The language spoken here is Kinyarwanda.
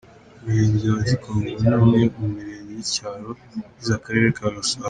Umurenge wa Gikomero, ni umwe mu Mirenge y’icyaro igize Akarere ka Gasabo.